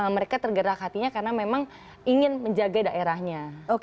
mereka tergerak hatinya karena memang ingin menjaga daerahnya